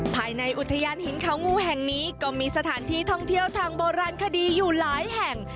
ภายในอุทยานหินเขางูแห่งนี้ก็มีสถานที่ท่องเที่ยวทางโบราณคดีอยู่หลายแห่ง